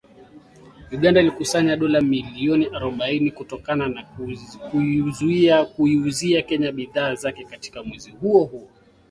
Uganda ilikusanya dola milioni arobaini kutokana na kuiuzia Kenya bidhaa zake katika mwezi huo huo